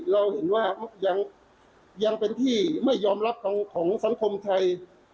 เราเห็นว่ายังเป็นที่ไม่ยอมรับของสังคมไทย